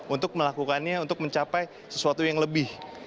untuk melakukannya untuk mencapai sesuatu yang lebih